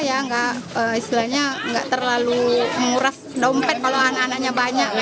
ya nggak istilahnya nggak terlalu murah dompet kalau anak anaknya banyak